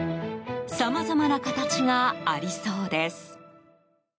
さまざまな形がありそうです。